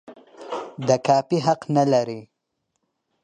د کاپي حق نه لري.